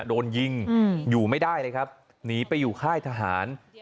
โดนยิงอยู่ไม่ได้เลยครับหนีไปอยู่ค่ายทหาร